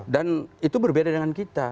dan itu berbeda dengan kita